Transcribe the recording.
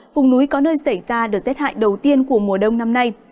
vùng núi có nơi xảy ra đợt rét hại đầu tiên của mùa đông năm nay